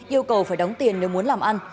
yêu cầu phải đóng tiền nếu muốn làm ăn